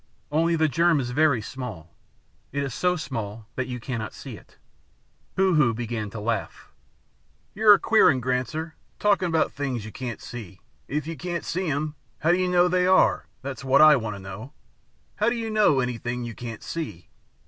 Only the germ is very small. It is so small that you cannot see it " Hoo Hoo began to laugh. "You're a queer un, Granser, talking about things you can't see. If you can't see 'em, how do you know they are? That's what I want to know. How do you know anything you can't see?"